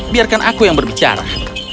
biarkan aku yang berbicara